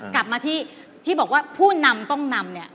กลับมาที่ที่บอกว่าผู้นำต้องนำเนี่ย